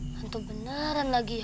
hantu beneran lagi ya